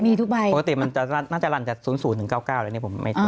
ฮะมีทุกใบอย่างนี้มีทุกใบปกติมันน่าจะลันจาก๐๐ถึง๙๙แล้วนี่ผมไม่ทุก